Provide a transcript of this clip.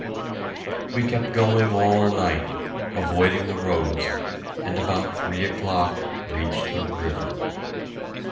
We kept going all night, avoiding the roads, and about three o'clock reached the river.